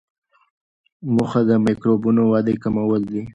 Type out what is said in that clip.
موخه د میکروبونو ودې کمول وي.